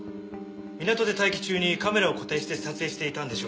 港で待機中にカメラを固定して撮影していたんでしょう。